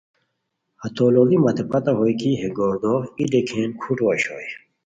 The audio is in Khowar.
ہتو لوڑی مت پتہ ہوئے کی ہے گوردوغ ای ڈیکین کھوٹو اوشوئے